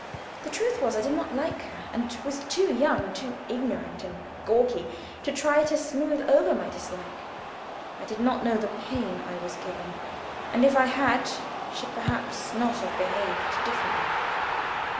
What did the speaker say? The truth was, I did not like her, and was too young, too ignorant and gauche to try to smooth over my dislike. I did not know the pain I was giving, and if I had, should perhaps not have behaved differently.